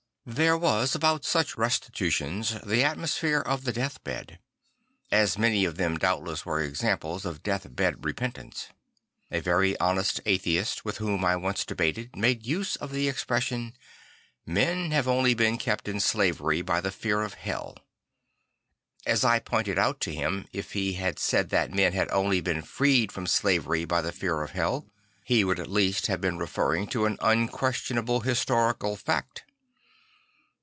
There was about such restitutions the atmosphere of the death bed; as many of them doubtless were examples of death bed repentance. A very honest atheist with whom I once debated made use of the expression, If Men have only been kept in slavery by the fear of hell." As I pointed out to him, if he had said that men had only been freed from slavery by the fear of hell, he would at least have been referring to an unquestionable historical fact.